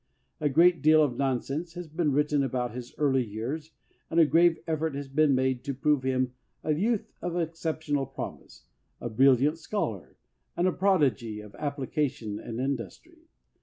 A great deal of non sense has been written about his early years, and a grave effort has been made to prove him a youth of exceptional promise, a brilliant scholar, and a prodigy of application and industry.